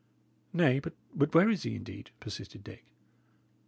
"Nay, but where is he, indeed?" persisted Dick.